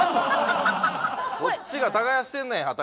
こっちが耕してんねん畑！